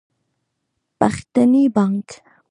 پښتني بانګ